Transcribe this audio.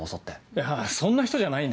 いやそんな人じゃないんで。